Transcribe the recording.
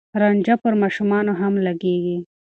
رانجه پر ماشومانو هم لګېږي.